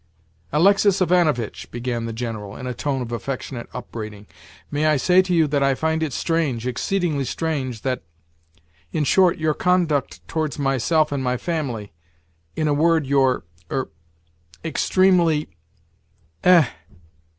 "Alexis Ivanovitch," began the General in a tone of affectionate upbraiding, "may I say to you that I find it strange, exceedingly strange, that—In short, your conduct towards myself and my family— In a word, your—er—extremely—" "Eh!